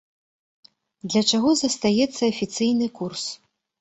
Для чаго застаецца афіцыйны курс?